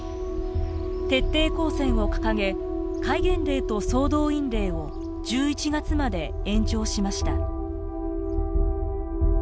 徹底抗戦を掲げ戒厳令と総動員令を１１月まで延長しました。